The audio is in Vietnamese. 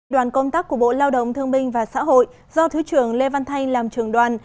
đoàn công tác của bộ lao động thương minh và xã hội do thứ trưởng lê văn thanh làm trường đoàn